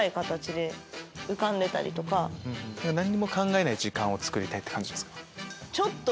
何にも考えない時間をつくりたいって感じですか？